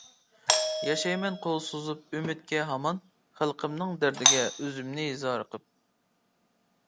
ياشايمەن قول سۈزۈپ ئۈمىدكە ھامان, خەلقىمنىڭ دەردىگە ئۆزۈمنى زارىقىپ.